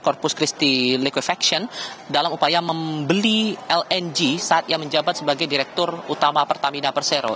korpus christi liquifaction dalam upaya membeli lng saat ia menjabat sebagai direktur utama pertamina persero